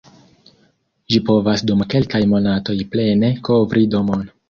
Ĝi povas dum kelkaj monatoj plene kovri domon.